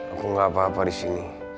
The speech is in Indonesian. aku gak apa apa disini